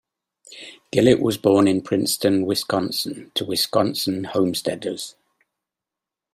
Gillett was born in Princeton, Wisconsin to Wisconsin homesteaders.